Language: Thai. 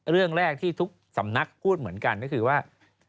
เรื่องแรกที่ทุกสำนักพูดเหมือนกันก็คือว่า